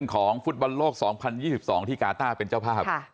ของฟุตบอลโลก๒๐๒๒ที่กาต้าเป็นเจ้าภาพ